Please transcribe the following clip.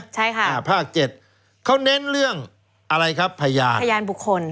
ใช่ค่ะอ่าภาคเจ็ดเขาเน้นเรื่องอะไรครับพยานพยานบุคคล